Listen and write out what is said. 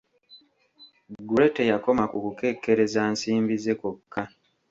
Gray teyakoma ku kukekkereza nsimbi ze kwokka.